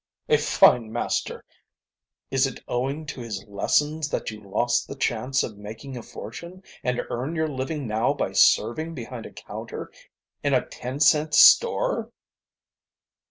"A fine master. Is it owing to his lessons that you lost the chance of making a fortune and earn your living now by serving behind a counter in a ten cent store?"